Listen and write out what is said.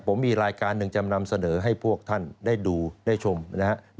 ผมมีรายการหนึ่งจำนำเสนอให้พวกท่านได้ดูได้ชมนะครับ